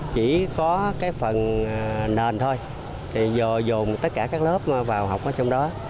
chỉ có cái phần nền thôi thì giờ dồn tất cả các lớp vào học ở trong đó